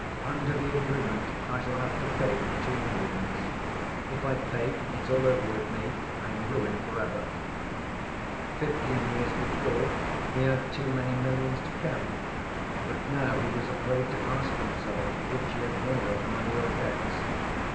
Under the agreement, I shall have to pay him two millions. If I pay, it's all over with me. I am ruined for ever ..." Fifteen years before he had too many millions to count, but now he was afraid to ask himself which he had more of, money or debts.